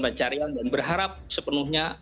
pencarian dan berharap sepenuhnya